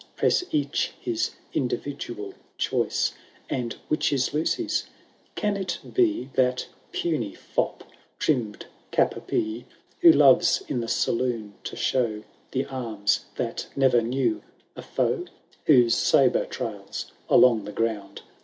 Press each his individual choice. And which is Lucy*s ?— Can it be That puny fop, trimmed cap a pie. Who loves in the saloon to show The arms that never knew a foe *, 58 THE BRIDAL OP TRIERHAIN. CatUo ll. Whose sabre trails along the ground.